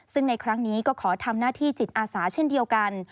ซึ่งในครั้งนี้ก็ขอทำหน้าที่จิตอาสาเช่นเดียวกัน